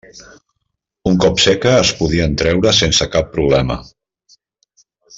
Un cop seca es podien treure sense cap problema.